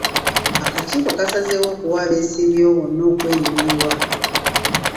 Akakiiko kaasazeewo okuwa abeesimbyewo bonna okweyimirirwa.